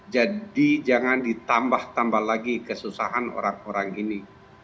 jadi jangan ditambah tambah lagi kesusahan orang orang ini